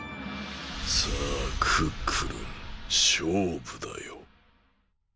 さあクックルンしょうぶだよ。